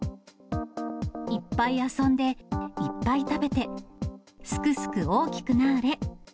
いっぱい遊んで、いっぱい食べて、すくすく大きくなぁれ。